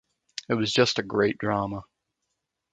It was just a great drama.